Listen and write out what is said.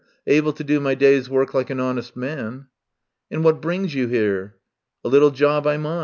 Able to do my day's work like an honest man." "And what brings you here?" "A little job I'm on.